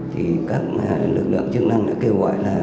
thì các lực lượng chức năng đã kêu gọi là